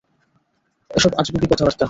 এসব আজগুবি কথাবার্তা!